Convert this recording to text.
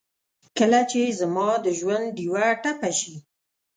کله چې زما دژوندډېوه ټپه شي